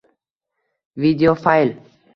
Video fayl